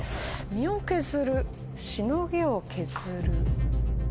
「身」を削る「しのぎ」を削る。